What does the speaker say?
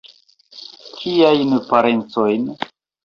Kiajn parencojn?